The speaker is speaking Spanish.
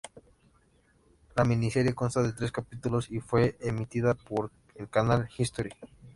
La miniserie consta de tres capítulos y fue emitida por el canal History.